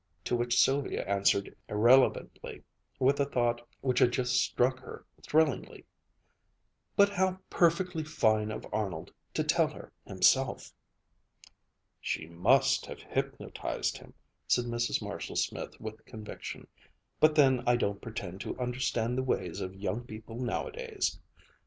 To which Sylvia answered irrelevantly with a thought which had just struck her thrillingly, "But how perfectly fine of Arnold to tell her himself!" "She must have hypnotized him," said Mrs. Marshall Smith with conviction, "but then I don't pretend to understand the ways of young people nowadays."